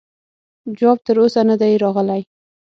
جواب تر اوسه نه دی راغلی.